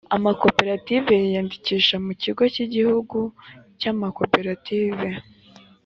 amakoperative yiyandikisha mu kigo cy’igihugu cy’amakoperative